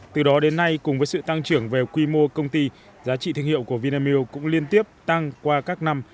từ đó đến nay cùng với sự tăng trưởng về quy mô công ty giá trị thương hiệu của vinamilk cũng liên tiếp tăng qua các năm